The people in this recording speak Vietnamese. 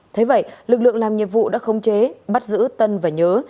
thế vậy lực lượng làm nhiệm vụ đã khống chế bắt giữ tân và nhớ